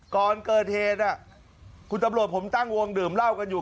ก่อนเกิดเหตุคุณตำรวจผมตั้งวงดื่มเหล้ากันอยู่